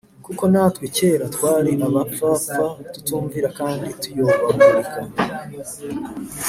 Kuko natwe kera twari abapfapfa tutumvira kandi tuyobagurika